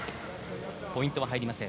ポイントは入りません。